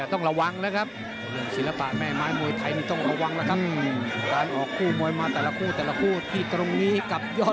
ต้องระวังนะครับ